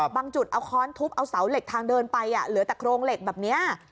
จุดเอาค้อนทุบเอาเสาเหล็กทางเดินไปเหลือแต่โครงเหล็กแบบนี้